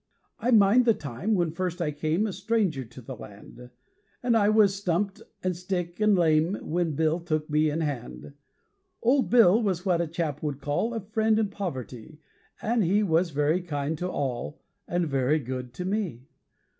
I mind the time when first I came A stranger to the land; And I was stumped, an' sick, an' lame When Bill took me in hand. Old Bill was what a chap would call A friend in poverty, And he was very kind to all, And very good to me.